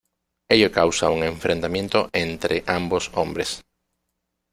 Ello causa un enfrentamiento entre ambos hombres.